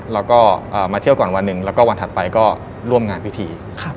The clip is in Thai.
แล้วก็มาเที่ยวก่อนวันหนึ่งแล้วก็วันถัดไปก็ร่วมงานพิธี